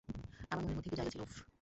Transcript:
আমার মনের মধ্যে একটু জায়গা ছিল, উফ!